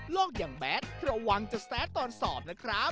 ลอกอย่างแบดระหว่างจะแซ่ตอนสอบนะครับ